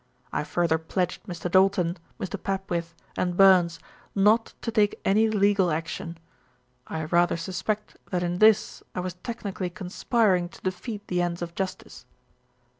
I further pledged Mr. Doulton, Mr. Papwith, and Burns not to take any legal action. I rather suspect that in this I was technically conspiring to defeat the ends of justice."